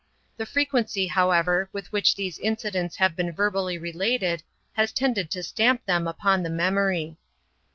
The frequency, however, with which these incidents have been verbally related, has tended to stamp them upon the memory.